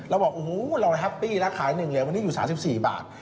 เราบอกโอ้โหเราแฮปปี้แล้วขายหนึ่งเหรียญวันนี้อยู่สามสิบสี่บาท